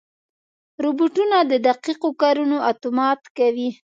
روبوټونه د دقیقو کارونو اتومات کوي.